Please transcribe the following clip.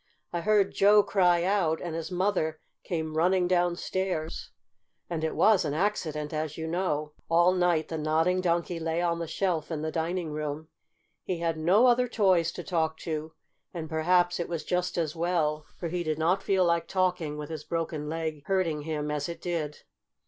"I heard Joe cry out, and his mother came running downstairs." And it was an accident, as you know. All night the Nodding Donkey lay on the shelf in the dining room. He had no other toys to talk to, and perhaps it was just as well, for he did not feel like talking with his broken leg hurting him as it did.